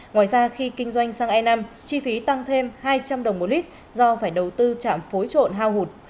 ngoài ra khi kinh doanh xăng e năm chi phí tăng thêm hai trăm linh đồng một lít do phải đầu tư trạm phối trộn hao hụt